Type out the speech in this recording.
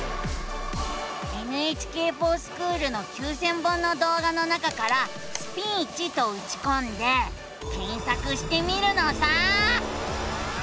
「ＮＨＫｆｏｒＳｃｈｏｏｌ」の９，０００本の動画の中から「スピーチ」とうちこんで検索してみるのさ！